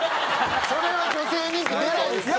それは女性人気出ないです！